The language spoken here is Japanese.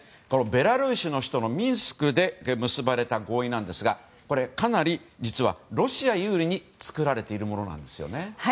このベラルーシの首都のミンスクで結ばれた合意なんですが実はこれ、かなりロシア有利に作られているものなんですよね。